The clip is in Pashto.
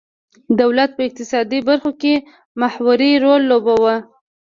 دولت په اقتصادي برخو کې محوري رول لوباوه.